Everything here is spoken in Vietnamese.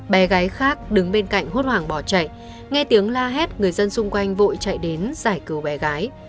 bé gái khác đứng bên cạnh hốt hoảng bỏ chạy nghe tiếng la hét người dân xung quanh vội chạy đến giải cứu bé gái